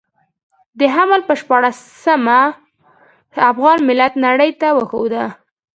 د حمل پر شپاړلسمه افغان ملت نړۍ ته وښوده.